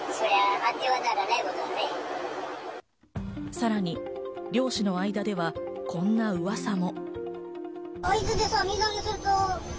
さらに漁師の間では、こんな噂も。